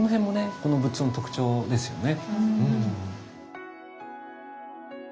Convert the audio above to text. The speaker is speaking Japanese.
この仏像の特徴ですよね。